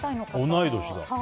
同い年だ。